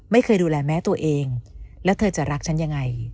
ไม่เคยดูแลแม้ตัวเองแล้วเธอจะรักฉันยังไง